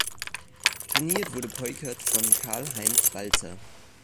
Trainiert wurde Peukert von Karl-Heinz Balzer.